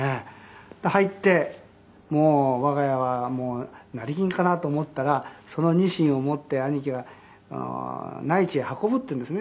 「入ってもう我が家は成金かなと思ったらそのニシンを持って兄貴が内地へ運ぶっていうんですね」